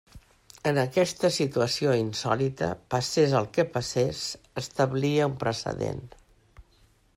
En aquesta situació insòlita, passés el que passés establia un precedent.